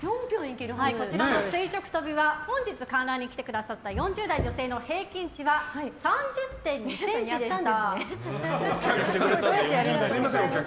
こちらの垂直跳びは本日、観覧に来てくださった４０代女性の平均値は３０．２ｃｍでした。